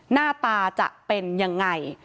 หน้าตาจะเป็นยังไง